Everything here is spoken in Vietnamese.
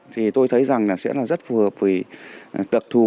thì tôi thấy rằng sẽ rất phù hợp với tật thù